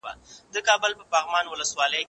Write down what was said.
که وخت وي، تمرين کوم،